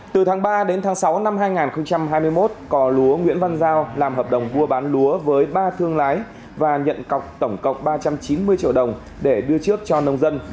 từ tháng ba đến tháng sáu năm hai nghìn hai mươi một cò lúa nguyễn văn giao làm hợp đồng mua bán lúa với ba thương lái và nhận cọc tổng cộng ba trăm chín mươi triệu đồng để đưa trước cho nông dân